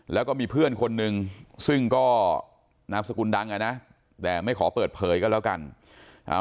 แล้วก็มีเพื่อนคนนึงซึ่งก็นามสกุลดังอ่ะนะแต่ไม่ขอเปิดเผยก็แล้วกันอ่า